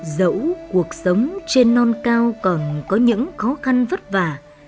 dẫu cuộc sống trên non cao còn có những khó khăn vất vả